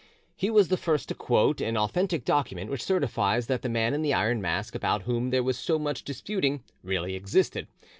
He was the first to quote an authentic document which certifies that the Man in the Iron Mask about whom there was so much disputing really existed.